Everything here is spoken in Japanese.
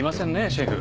シェフ。